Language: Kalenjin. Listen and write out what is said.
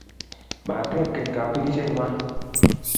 mateb keny kabelisieng'wany.